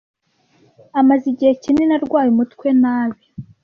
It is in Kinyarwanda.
Amaze igihe kinini arwaye umutwe nabi.